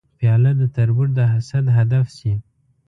پیاله د تربور د حسد هدف شي.